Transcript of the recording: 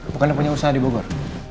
bukannya punya usaha di bogor